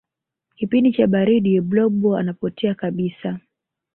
kipindi cha baridi blob anapotea kabisa